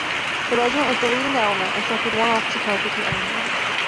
The regiment was the leading element and suffered one officer casualty only.